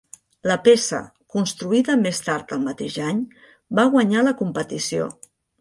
La peça, construïda més tard el mateix any, va guanyar la competició.